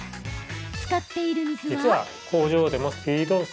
使っている水は。